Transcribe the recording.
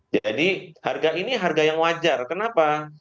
jadi harga ini harga yang wajar kenapa